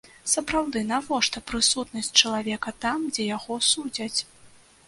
Сапраўды, навошта прысутнасць чалавека там, дзе яго судзяць?